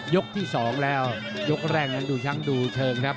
ยกที่๒แล้วยกแรงดูชั้นดูเชิงครับ